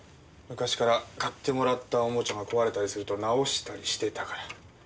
昔から買ってもらったおもちゃが壊れたりすると直したりしてたから。